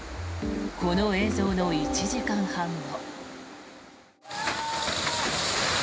この映像の１時間半後。